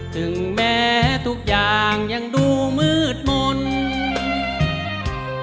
ถึงแม้ทุกอย่างยังดูมืดมนต์